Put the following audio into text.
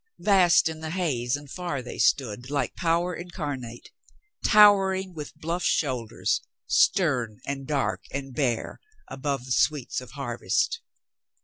Vast in the haze and far they stood, like power incarnate, towering with bluff shoulders, stern and dark and bare, above the sweets of har vest.